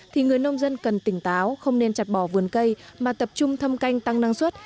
thì người nông dân cần tỉnh táo không nên chặt bỏ vườn cây mà tập trung thăm canh tăng năng suất